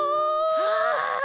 はい！